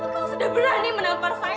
kamu sudah berani menampar saya